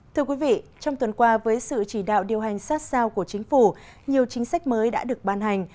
thưa quý vị trong tuần qua với sự chỉ đạo điều hành sát sao của chính phủ nhiều chính sách mới đã được ban hành